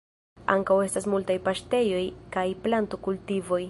Ankaŭ estas multaj paŝtejoj kaj planto-kultivoj.